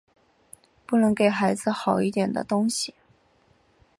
不能给孩子好一点的东西